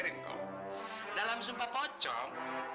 dalam sumpah pocong